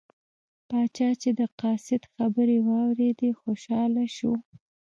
پاچا چې د قاصد خبرې واوریدې خوشحاله شو.